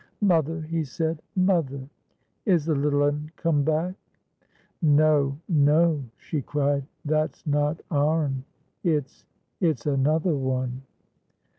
"Mother," he said, "mother! Is the little un come back?" "No, no!" she cried. "That's not our'n. It's—it's another one."